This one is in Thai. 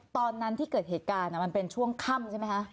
ตอนนั้นที่เกิดเหตุการณ์มันเป็นช่วงค่ำใช่ไหมคะ